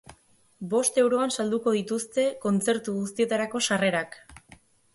Bost euroan salduko dituzte kontzertu guztietarako sarrerak.